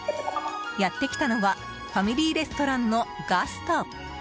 やってきたのはファミリーレストランのガスト。